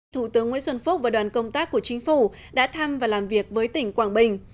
thủ tướng nguyễn xuân phúc và đoàn công tác của chính phủ đã thăm và làm việc với tỉnh quảng bình